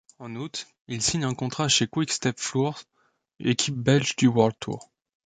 En août, il signe un contrat chez Quick-Step Floors, équipe belge du WorldTour.